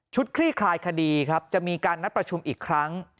คลี่คลายคดีครับจะมีการนัดประชุมอีกครั้ง